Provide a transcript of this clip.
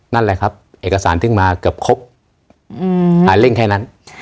นั่นแหละครับเอกสารที่มีมากว่าครบราดเล่งแค่นั้น